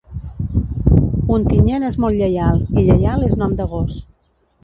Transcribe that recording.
Ontinyent és molt lleial, i Lleial és nom de gos.